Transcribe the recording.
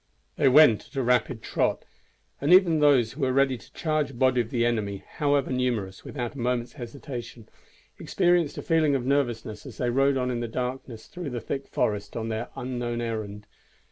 They went at a rapid trot, and even those who were ready to charge a body of the enemy, however numerous, without a moment's hesitation, experienced a feeling of nervousness as they rode on in the darkness through the thick forest on their unknown errand.